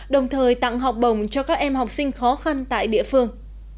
đồng thời tặng học bổng cho các em học sinh khó khăn tại địa phương